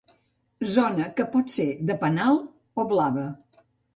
Zona que pot ser de penal o blava.